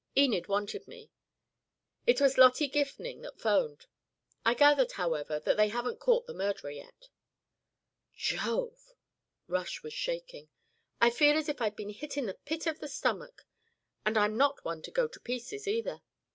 Enid wanted me it was Lottie Gifning that 'phoned. I gathered, however, that they haven't caught the murderer yet." "Jove!" Rush was shaking. "I feel as if I'd been hit in the pit of the stomach. And I'm not one to go to pieces, either.